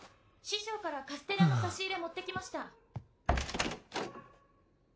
師匠からカステラの差し入れ持ってきました。